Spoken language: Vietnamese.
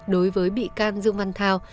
đối với bị can dương văn thao